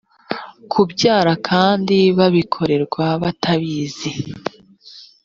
kubyara kandi babikorerwa batabizi